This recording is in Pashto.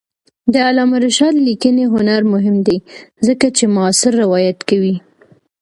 د علامه رشاد لیکنی هنر مهم دی ځکه چې معاصر روایت کوي.